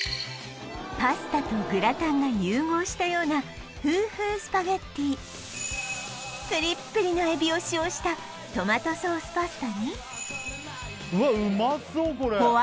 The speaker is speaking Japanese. パスタとグラタンが融合したようなプリップリのエビを使用したトマトソースパスタにうわうまそう